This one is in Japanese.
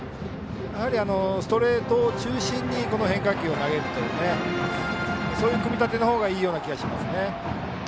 やはり、ストレートを中心に変化球を投げるという組み立ての方がいい気がしますね。